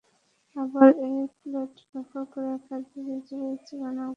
আবার একই প্লেট ব্যবহার করে একাধিক ইজিবাইক চলাচলের ঘটনাও ঘটতে থাকে।